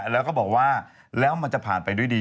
แล้วก็บอกว่าแล้วมันจะผ่านไปด้วยดี